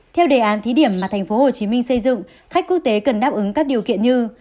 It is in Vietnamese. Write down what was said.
theo đề án thí điểm mà tp hcm xây dựng khách quốc tế cần đáp ứng các điều kiện như